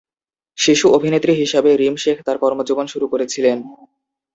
শিশু অভিনেত্রী হিসাবে রিম শেখ তার কর্মজীবন শুরু করেছিলেন।